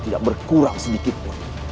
dia belajar dari mana